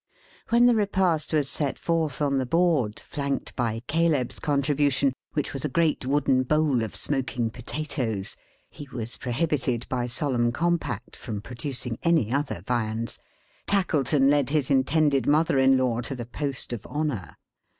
When the repast was set forth on the board, flanked by Caleb's contribution, which was a great wooden bowl of smoking potatoes (he was prohibited, by solemn compact, from producing any other viands), Tackleton led his intended mother in law to the Post of Honour.